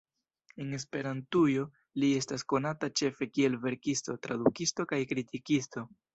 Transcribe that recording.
En Esperantujo, li estas konata ĉefe kiel verkisto, tradukisto kaj kritikisto.